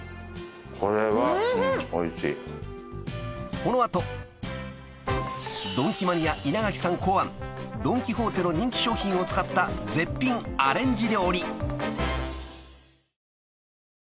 ［この後ドンキマニア稲垣さん考案ドン・キホーテの人気商品を使った絶品アレンジ料理］